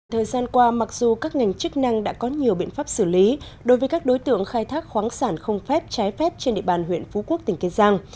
thời gian qua mặc dù các ngành chức năng đã có nhiều biện pháp xử lý đối với các đối tượng khai thác khoáng sản không phép trái phép trên địa bàn huyện phú quốc tỉnh kiên giang